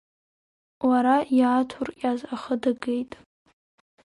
Уара иааҭурҟьаз ахы дагеит.